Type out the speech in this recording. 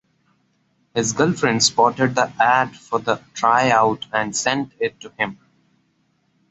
His girlfriend spotted the ad for the tryout and sent it to him.